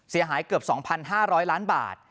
เสียหายเกือบ๒๕๐๐ล้านบาท